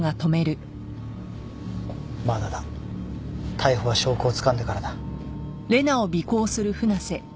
逮捕は証拠をつかんでからだ。